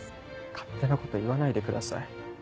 勝手なこと言わないでください。